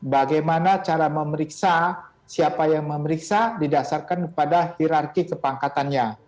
bagaimana cara memeriksa siapa yang memeriksa didasarkan pada hirarki kepangkatannya